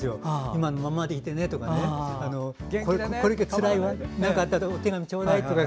今のままでいてねとか何かあったらお手紙ちょうだいとか。